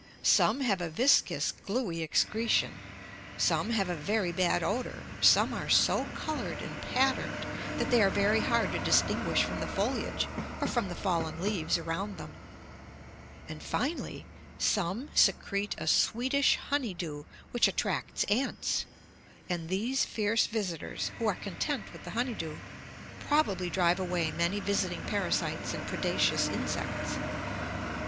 Some have a viscous gluey excretion, some have a very bad odor, some are so colored and patterned that they are very hard to distinguish from the foliage or from the fallen leaves around them, and, finally, some secrete a sweetish honey dew which attracts ants, and these fierce visitors, who are content with the honey dew, probably drive away many visiting parasites and predaceous insects.